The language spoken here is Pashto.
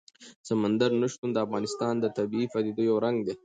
سمندر نه شتون د افغانستان د طبیعي پدیدو یو رنګ دی.